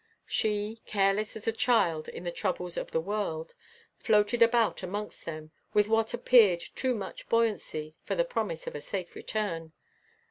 She, careless as a child in the troubles of the world, floated about amongst them with what appeared too much buoyancy for the promise of a safe return.